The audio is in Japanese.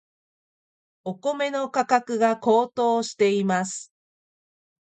お米の価格が高騰しています。